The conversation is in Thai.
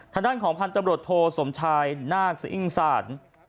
ทางด้านของพันธุ์ตำรวจโทสมชายนาคสะอิ้งศาสตร์